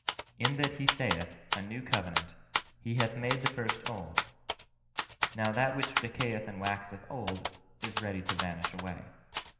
In that he saith, a new covenant, he hath made the first old. Now that which decayeth and waxeth old is ready to vanish away."